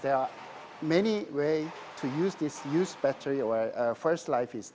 karena ada banyak cara untuk menggunakan baterai yang sudah berjalan